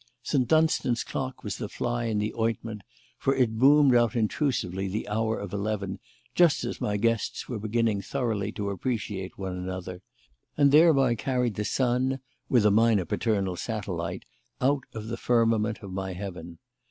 St. Dunstan's clock was the fly in the ointment, for it boomed out intrusively the hour of eleven just as my guests were beginning thoroughly to appreciate one another; and thereby carried the sun (with a minor paternal satellite) out of the firmament of my heaven.